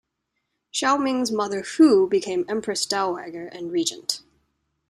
Xiaoming's mother Hu became empress dowager and regent.